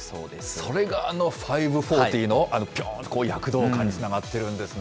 それがあの５４０の、あのぴょーんという躍動感につながっているんですね。